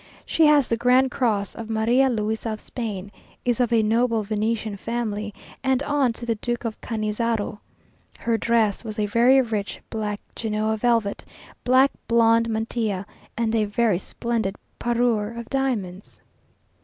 She has the Grand Cross of Maria Louisa of Spain, is of a noble Venetian family, and aunt to the Duke of Canizzaro. Her dress was a very rich black Genoa velvet, black blonde mantilla, and a very splendid parure of diamonds.